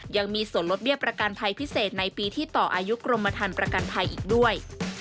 ยังมีส่วนลดเบี้ยประกันภัยพิเศษในปีที่ต่ออายุกรมธรรมประกันภัยอีกด้วย